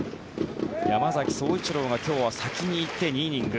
山崎颯一郎が今日は先に行って２イニング。